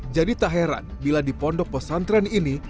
jadi tak heran bila di pondok pesantren ini